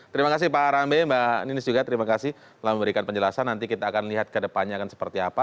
terima kasih pak rambe mbak ninis juga terima kasih telah memberikan penjelasan nanti kita akan lihat ke depannya akan seperti apa